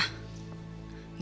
dia pikir bisa